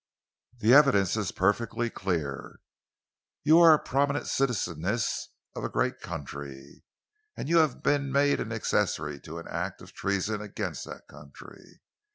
The evidence is perfectly clear. You are a prominent citizeness of a great country, and you have been made an accessory to an act of treason against that country.